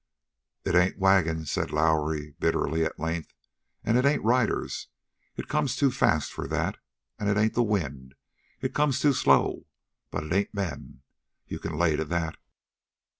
"It ain't wagons," said Lowrie bitterly at length. "And it ain't riders; it comes too fast for that. And it ain't the wind; it comes too slow. But it ain't men. You can lay to that!"